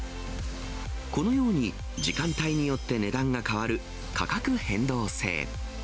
このように時間帯によって値段が変わる価格変動制。